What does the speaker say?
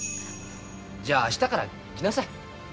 じゃあ明日から来なさい。